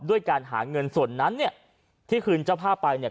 ด้วยการหาเงินส่วนนั้นที่คืนเจ้าภาพไป